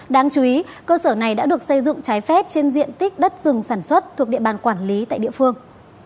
đáng chú ý cơ sở này đã được xây dựng trái phép trên diện tích đất rừng sản xuất thuộc địa bàn quản lý tại địa phương